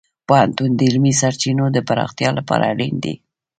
پوهنتون د علمي سرچینو د پراختیا لپاره اړین دی.